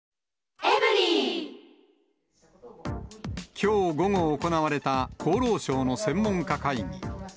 きょう午後行われた厚労省の専門家会議。